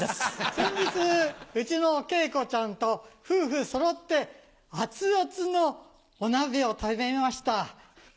先日うちの恵子ちゃんと夫婦そろってアツアツのお鍋を食べました。